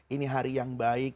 ini hari yang baik